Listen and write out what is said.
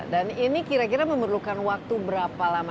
dan ini kira kira memerlukan waktu berapa lama